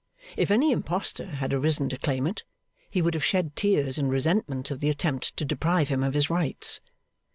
If any impostor had arisen to claim it, he would have shed tears in resentment of the attempt to deprive him of his rights.